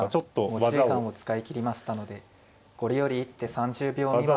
持ち時間を使い切りましたのでこれより一手３０秒未満で。